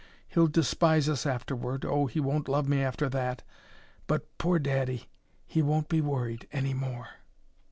He'll despise us afterward oh, he won't love me after that! but poor daddy! he won't be worried any more."